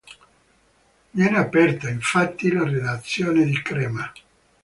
Viene aperta, infatti, la redazione di Crema.